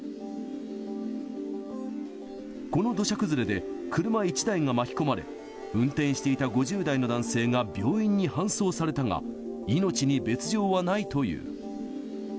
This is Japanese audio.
この土砂崩れで、車１台が巻き込まれ、運転していた５０代の男性が病院に搬送されたが、命に別状はないという。